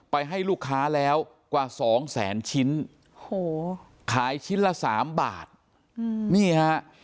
ไปให้ลูกค้าแล้วกว่าสองแสนชิ้นโอ้โหขายชิ้นละ๓บาทนี่ฮะ